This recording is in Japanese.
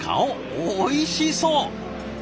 おいしそう！